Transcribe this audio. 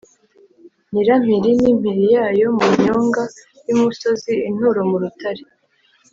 Nyirampiri n'impiri yayo mu nyonga y'umusozi-Inturo mu rutare.